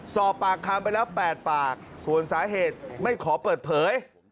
สอบปากคำไปแล้ว๘ปากส่วนสาเหตุไม่ขอเปิดเผย